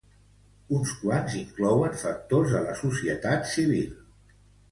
Uns quants inclouen factors de la societat civil.